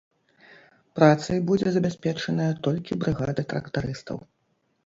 Працай будзе забяспечаная толькі брыгада трактарыстаў.